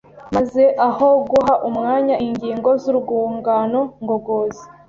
maze aho guha umwanya ingingo z’urwungano ngogozi